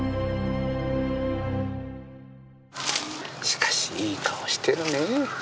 しかしいい顔してるね。